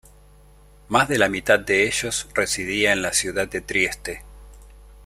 Más de la mitad de ellos residía en la ciudad de Trieste.